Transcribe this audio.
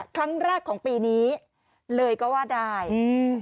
ครั้งแรกของปีนี้เลยก็ว่าได้อืม